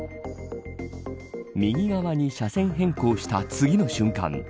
右側に車線変更した次の瞬間。